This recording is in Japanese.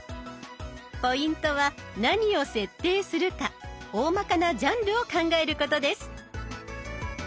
ポイントは何を設定するか大まかなジャンルを考えることです。